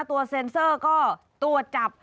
ตัวเซ็นเซอร์ก็ตรวจจับ